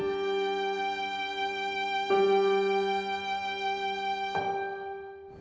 และก็จะมีเงินสักก้อน